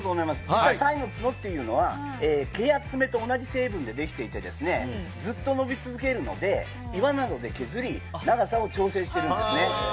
実際、サイの角っていうのは毛や爪と同じ成分でできていてずっと伸び続けるので岩などで削り長さを調整してるんですね。